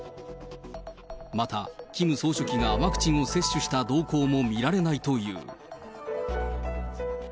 また、キム総書記がワクチンを接種した動向も見られないという。